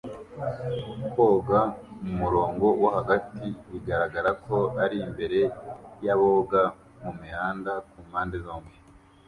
Koga mu murongo wo hagati bigaragara ko ari imbere yaboga mumihanda kumpande zombi